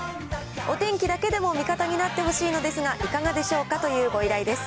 お天気だけでも味方になってほしいのですが、いかがでしょうかというご依頼です。